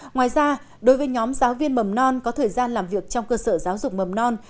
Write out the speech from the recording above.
ngoài ra đối với nhóm giáo viên mầm non có thời gian làm việc trong cơ sở giáo dục mầm non